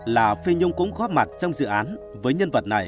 là phi nhung cũng góp mặt trong dự án